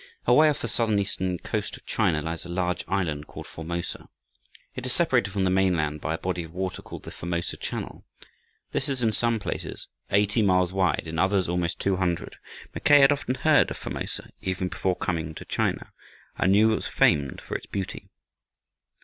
Away off the southeastern coast of China lies a large island called Formosa. It is separated from the mainland by a body of water called the Formosa Channel. This is in some places eighty miles wide, in others almost two hundred. Mackay had often heard of Formosa even before coming to China, and knew it was famed for its beauty.